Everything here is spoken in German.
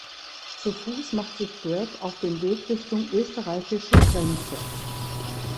Zu Fuß macht sich Greg auf den Weg Richtung österreichische Grenze.